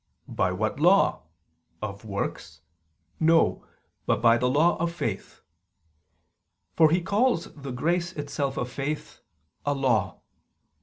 By what law? Of works? No, but by the law of faith": for he calls the grace itself of faith "a law."